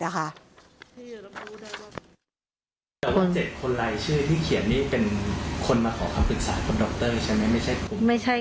แต่ว่า๗คนร้ายชื่อที่เขียนเป็นคนมาขอคำปรึกษาคนดรใช่ไหม